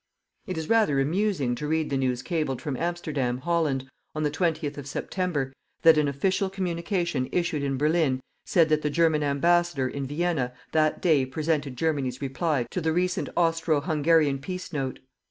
It is rather amusing to read the news cabled from Amsterdam, Holland, on the 20th of September, that an official communication issued in Berlin said that the German Ambassador in Vienna that day presented Germany's reply to the recent Austro Hungarian peace note.